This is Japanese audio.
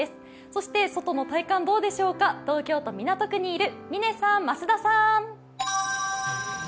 そして、外の体感どうでしょうか、東京・港区にいる嶺さん、増田さん。